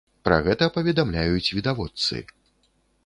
Пра гэта паведамляюць відавочцы.